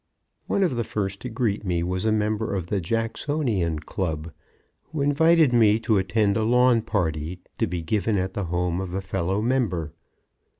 One of the first to greet me was a member of the Jacksonian Club, who invited me to attend a lawn party to be given at the home of a fellow member.